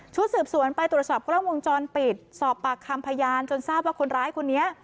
สืบสวนไปตรวจสอบกล้องวงจรปิดสอบปากคำพยานจนทราบว่าคนร้ายคนนี้